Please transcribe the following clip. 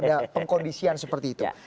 ada pengkondisian seperti itu